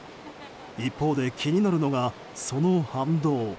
一方で気になるのがその反動。